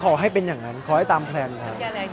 ขอให้เป็นอย่างนั้นขอให้ตามแพลนครับ